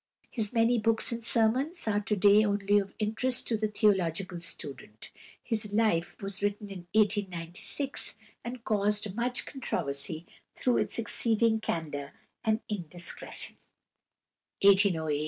His many books and sermons are to day only of interest to the theological student. His life was written in 1896, and caused much controversy through its exceeding candour and indiscretion.